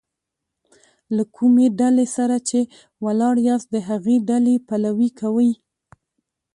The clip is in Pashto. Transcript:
له کومي ډلي سره چي ولاړ یاست؛ د هغي ډلي پلوي کوئ!